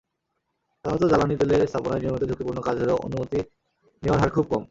সাধারণত জ্বালানি তেলের স্থাপনায় নিয়মিত ঝুঁকিপূর্ণ কাজ হলেও অনুমতি নেওয়ার হার খুব কম।